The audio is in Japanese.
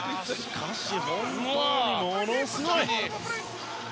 しかし本当にものすごい。